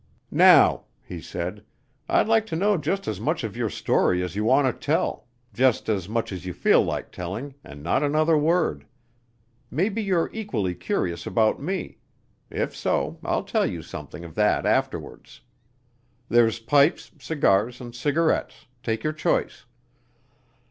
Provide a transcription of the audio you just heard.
"Now," he said, "I'd like to know just as much of your story as you want to tell just as much as you feel like telling, and not another word. Maybe you're equally curious about me; if so, I'll tell you something of that afterwards. There's pipes, cigars, and cigarettes take your choice."